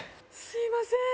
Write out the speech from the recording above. すみません。